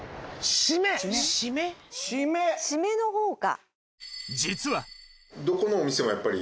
シメのほうか。